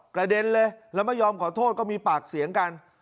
เด็นเลยแล้วไม่ยอมขอโทษก็มีปากเสียงกัน